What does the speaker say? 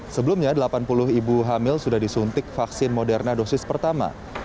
sebelumnya delapan puluh ibu hamil sudah disuntik vaksin moderna dosis pertama